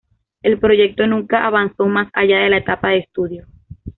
El proyecto nunca avanzó más allá de la etapa de estudio.